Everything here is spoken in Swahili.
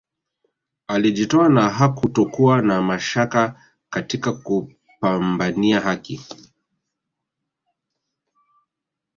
Alijitoa na hakutokuwa na mashaka katika kupambania haki